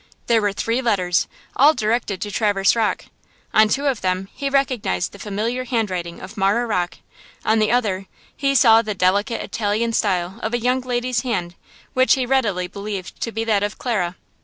There were three letters–all directed to Traverse Rocke. On two of them he recognized the familiar handwriting of Marah Rocke, on the other he saw the delicate Italian style of a young lady's hand, which he readily believed to be that of Clara.